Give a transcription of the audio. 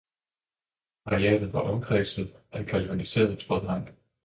arealet var omkranset af galvaniseret trådhegn